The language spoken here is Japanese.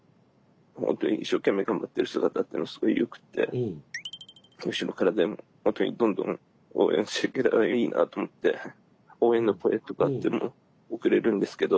本当に一生懸命頑張ってる姿というのがすごいよくって後ろからでもほんとにどんどん応援していけたらいいなと思って応援の声とかというのも送れるんですけど。